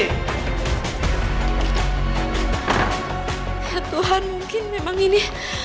ya tuhan mungkin memang ini